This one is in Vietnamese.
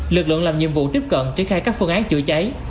lực lượng làm nhiệm vụ tiếp cận triển khai các phương án chữa cháy